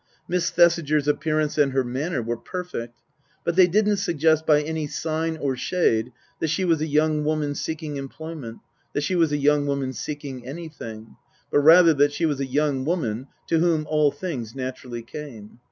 Miss Thesiger's appearance and her manner were perfect ; but they didn't suggest by any sign or shade that she was a young woman seeking employment, that she was a young woman seeking anything ; but rather that she was a young woman to whom all things naturally came.